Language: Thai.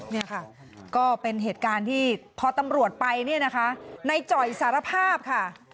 เนี่ยค่ะก็เป็นเหตุการณ์ที่พอตำรวจไปเนี่ยนะคะในจ่อยสารภาพค่ะ